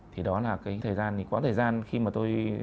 thì đó là cái thời gian quá thời gian khi mà tôi